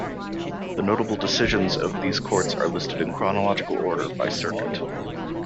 The notable decisions of these courts are listed in chronological order by circuit.